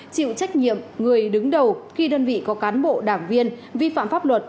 chịu trách nhiệm người đứng đầu khi đơn vị có cán bộ đảng viên vi phạm pháp luật